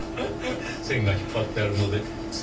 線が引っ張ってあるのでつい。